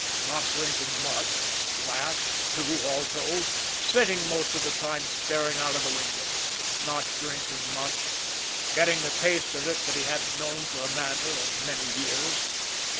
Not drinking much, a glass or two all told, sitting most of the time staring out of the window not drinking much getting the taste of it that he hadn't known for a matter of many years.